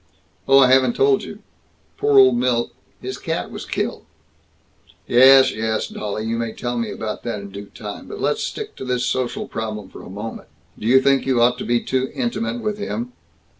Oh, I haven't told you. Poor old Milt, his cat was killed " "Yes, yes, dolly, you may tell me about that in due time, but let's stick to this social problem for a moment. Do you think you ought to be too intimate with him?"